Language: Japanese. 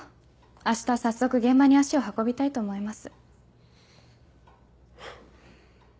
明日早速現場に足を運びたいと思います。